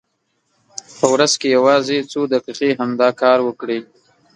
په ورځ کې یوازې څو دقیقې همدا کار وکړئ.